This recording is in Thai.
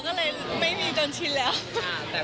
ก็เลยไม่มีจนชินแล้ว